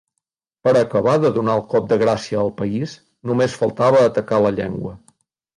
Per acabar de donar el cop de gràcia al país, només faltava atacar la llengua.